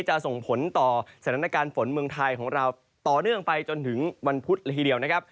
จะส่งผลต่อสถานการณ์ฝนเมืองไทยของเราต่อเนื่องไปจนถึงวันพุธละทีเดียวนะครับ